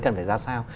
cần phải ra sao